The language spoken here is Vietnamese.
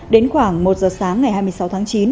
đến khoảng một giờ sáng ngày hai mươi sáu tháng chín